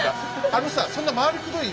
あのさそんな回りくどい